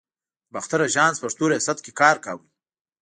د باختر آژانس پښتو ریاست کې کار کاوه.